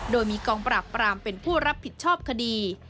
โดยมีกองปราบปรามเป็นผู้รับผิดชอบคดี